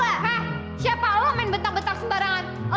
hah siapa lo main bentang bentang sembarangan